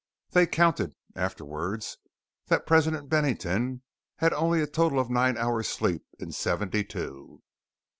They counted afterwards that President Bennington had only a total of nine hours sleep in seventy two.